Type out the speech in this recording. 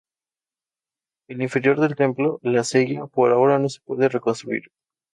El interior del templo, la "cella", por ahora no se puede reconstruir.